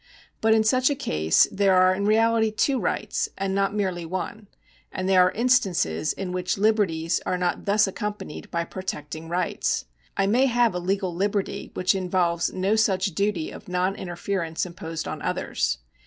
But in such a case there are in reality two rights and not merely one ; and there are instances in which liberties are not thus accompanied by protecting rights. I may have a legal liberty which involves no such duty of non interference imposed on others.